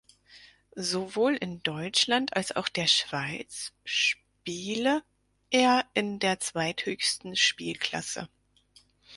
Sowohl in Deutschland als auch der Schweiz spiele er in der zweithöchsten Spielklasse.